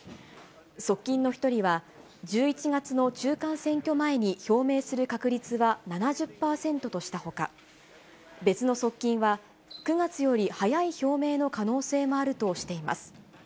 側近の一人は、１１月の中間選挙前に表明する確率は７０％としたほか、別の側近は９月より早い表明の可能性もあるとしています。